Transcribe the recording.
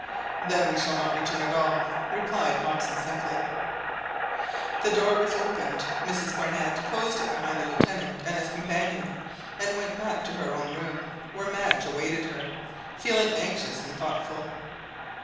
"Then we shall not return at all," replied Hobson simply. The door was opened, Mrs Barnett closed it behind the Lieutenant and his companion and went back to her own room, where Madge awaited her, feeling anxious and thoughtful.